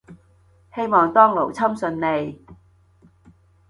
希望當勞侵順利